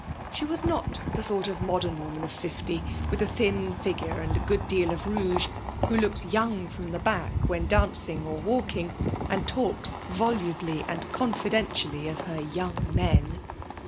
She was not the sort of modern woman of fifty, with a thin figure and a good deal of rouge, who looks young from the back when dancing or walking, and talks volubly and confidentially of her young men.